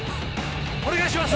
お願いします！